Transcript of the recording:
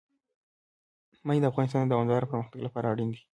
منی د افغانستان د دوامداره پرمختګ لپاره اړین دي.